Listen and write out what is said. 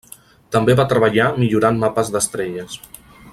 També va treballar millorant mapes d'estrelles.